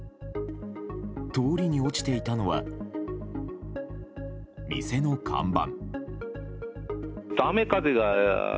通りに落ちていたのは店の看板。